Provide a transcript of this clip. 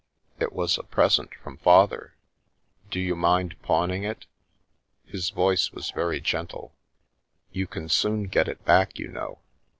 It was a present from Father." "Do you mind pawning it?" His voice was very gentle. " You can soon get it back, you know.